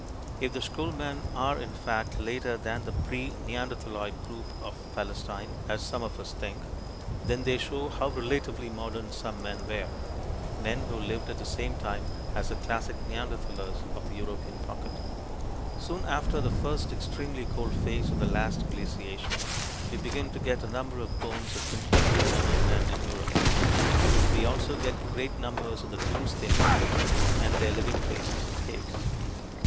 If the Skhul men are in fact later than the pre neanderthaloid group of Palestine, as some of us think, then they show how relatively modern some men were men who lived at the same time as the classic Neanderthalers of the European pocket. Soon after the first extremely cold phase of the last glaciation, we begin to get a number of bones of completely modern men in Europe. We also get great numbers of the tools they made, and their living places in caves.